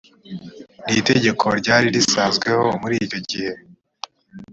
n itegeko ryari risanzweho muri icyo gihe